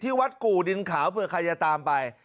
วัดกู่ดินขาวเผื่อใครจะตามไป